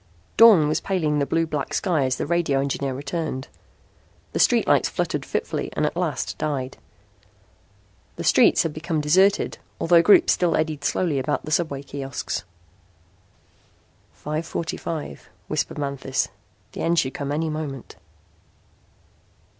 Dawn was paling the blue black sky as the radio engineer returned. The street lights fluttered fitfully and at last died. The streets had become deserted although groups still eddied slowly about the subway kiosks. "Five forty five," whispered Manthis. "The end should come any moment."